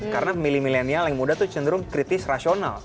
karena pemilih milenial yang muda itu cenderung kritis rasional